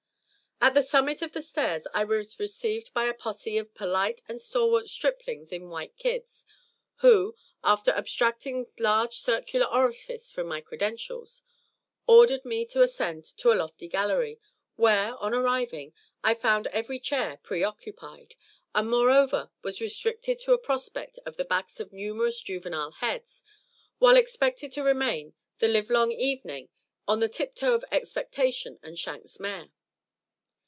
At the summit of the stairs I was received by a posse of polite and stalwart striplings in white kids, who, after abstracting large circular orifice from my credentials, ordered me to ascend to a lofty gallery, where, on arriving, I found every chair pre occupied, and moreover was restricted to a prospect of the backs of numerous juvenile heads, while expected to remain the livelong evening on the tiptoe of expectation and Shank's mare!